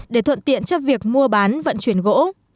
để thuận tiện cho việc mua bán vận chuyển gỗ